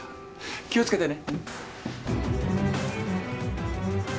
気を付けてね。